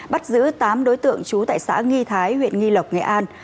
bắt giữ tám đối tượng trú tại xã nghi thái huyện nghi lộc nghệ an